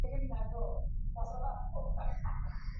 aa ilifanya mambo hapo chelsea wao walitoka na ushindi wa bao mbili